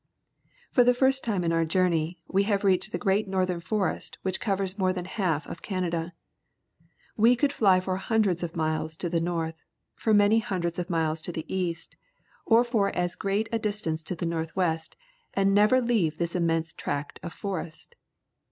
For the first time in our journey we have reached the great northern forest which covers more than half of Canada. We could fly for hundreds of miles to the north, for many hundreds of miles to the east, or for as great a distance to the north west, and never leave this immense tract of forest.